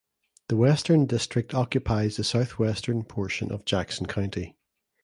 The Western District occupies the southwestern portion of Jackson County.